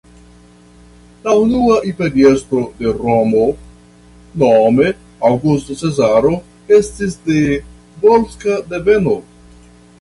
La unua imperiestro de Romo nome Aŭgusto Cezaro estis de volska deveno.